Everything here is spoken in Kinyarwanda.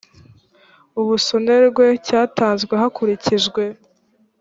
ubusonerwe cyatanze hakurikijwe